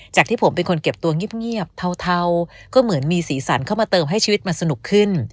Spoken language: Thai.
จากที่ผมเป็นคนเก็บตัวเงียบเทาก็เหมือนมีสีสันเข้ามาเติมให้ชีวิตมันสนุกขึ้น